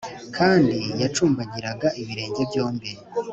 kandi yacumbagiraga ibirenge byombi.